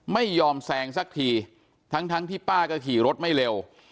แซงสักทีทั้งที่ป้าก็ขี่รถไม่เร็ว